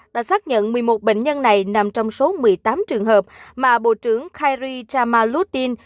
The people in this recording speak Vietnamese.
đã xác nhận một mươi một bệnh nhân này nằm trong số một mươi tám trường hợp mà bộ trưởng khary chamautin